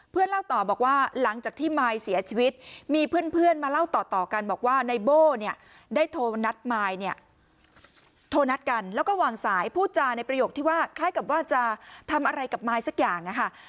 เล่าต่อบอกว่าหลังจากที่มายเสียชีวิตมีเพื่อนมาเล่าต่อกันบอกว่าในโบ้เนี่ยได้โทรนัดมายเนี่ยโทรนัดกันแล้วก็วางสายพูดจาในประโยคที่ว่าคล้ายกับว่าจะทำอะไรกับมายสักอย่างนะคะ